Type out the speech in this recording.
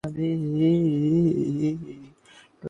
থেমেছে বলেই এটা নষ্ট হয়ে গেছে।